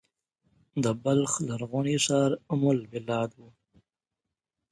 د بلخ لرغونی ښار ام البلاد و